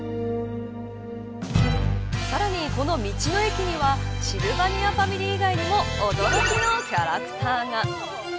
さらに、この道の駅にはシルバニアファミリー以外にも驚きのキャラクターが。